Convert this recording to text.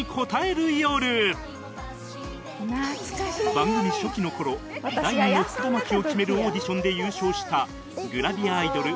番組初期の頃第２の福田麻貴を決めるオーディションで優勝したグラビアアイドル